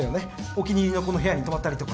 お気に入りの子の部屋に泊まったりとか。